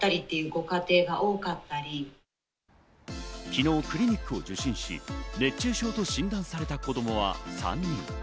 昨日、クリニックを受診し、熱中症と診断された子供は３人。